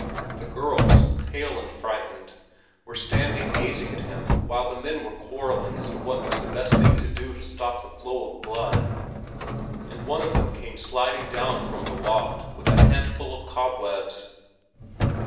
The girls, pale and frightened, were standing gazing at him while the men were quarreling as to what was the best thing to do to stop the flow of blood, and one of them came sliding down from the loft with a handful of cobwebs.